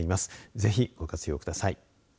ぜひ、ご活用ください。